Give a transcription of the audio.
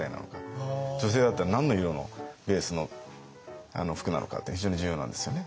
女性だったら何の色のベースの服なのかって非常に重要なんですよね。